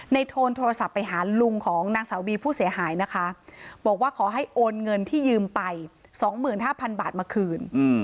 โทนโทรศัพท์ไปหาลุงของนางสาวบีผู้เสียหายนะคะบอกว่าขอให้โอนเงินที่ยืมไป๒๕๐๐๐บาทมาคืน